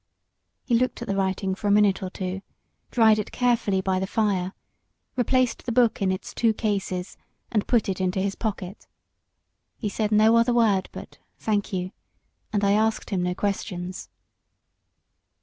He looked at the writing for a minute or two, dried it carefully by the fire, replaced the book in its two cases, and put it into his pocket. He said no other word but "Thank you," and I asked him no questions.